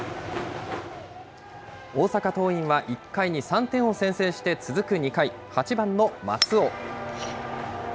大阪桐蔭は１回に３点を先制して、続く２回、８番の松尾。